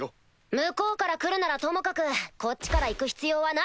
向こうから来るならともかくこっちから行く必要はない！